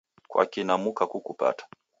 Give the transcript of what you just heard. kwaki namuka kukupata?